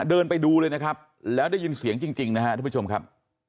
เดินไปดูเลยนะครับแล้วได้ยินเสียงจริงนะครับทุกผู้ชมครับ